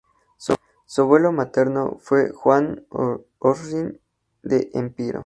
Su abuelo materno fue Juan Orsini de Epiro.